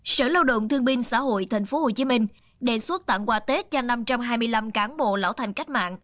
sở lao động thương binh xã hội tp hcm đề xuất tặng quà tết cho năm trăm hai mươi năm cán bộ lão thành cách mạng